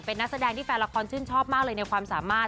เป็นนักแสดงที่แฟนละครชื่นชอบมากเลยในความสามารถ